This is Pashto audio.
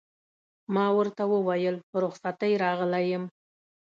ما ورته وویل: په رخصتۍ راغلی یم.